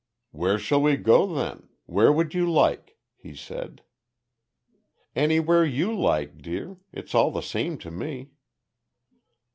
"Where shall we go then? Where would you like?" he said. "Anywhere you like, dear. It's all the same to me."